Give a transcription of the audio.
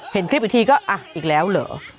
เห็นคลิปอีกทีก็อ่ะอีกแล้วเหรอ